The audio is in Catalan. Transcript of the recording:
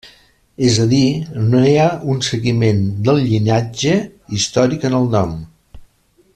És a dir, no hi ha un seguiment del llinatge històric en el nom.